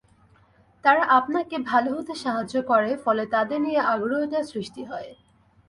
তারা আপনাকে ভালো হতে সাহায্য করে, ফলে তাদের নিয়ে আগ্রহটাও সৃষ্টি হয়।